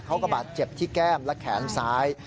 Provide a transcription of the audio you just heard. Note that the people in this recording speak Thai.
เขาก็บาดเจ็บที่แก้มและแขนซ้าย